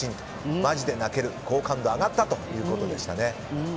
マジで泣ける、好感度上がったということでした。